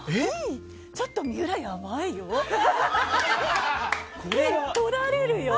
ちょっと水卜、やばいよ？とられるよ？